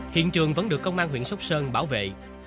hiện trường vẫn được công an huyện sóc sơn bảo vệ